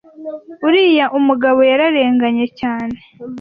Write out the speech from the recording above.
uriya Umugabo yararenganye cyane.